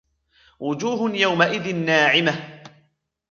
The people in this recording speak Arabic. وجوه يومئذ ناعمة